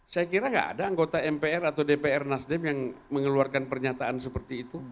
saya kira nggak ada anggota mpr atau dpr nasdem yang mengeluarkan pernyataan seperti itu